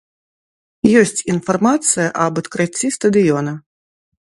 Ёсць інфармацыя аб адкрыцці стадыёна!